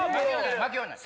負けはない。